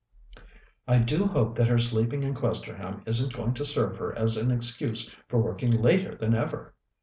"I do hope that her sleeping in Questerham isn't going to serve her as an excuse for working later than ever!"